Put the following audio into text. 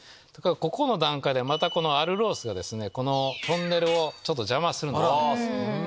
ここの段階でまたアルロースがこのトンネルを邪魔するんです。